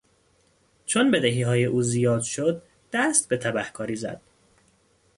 چون بدهیهای او زیاد شد دست به تبهکاری زد.